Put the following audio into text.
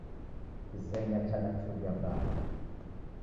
Kizenya chadachuria bagha